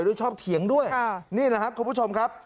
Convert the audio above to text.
ชอบเถียงด้วยนี่นะครับคุณผู้ชมครับ